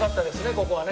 ここはね。